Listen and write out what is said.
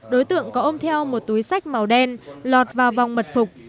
đối tượng có ôm theo một túi sách màu đen lọt vào vòng mật phục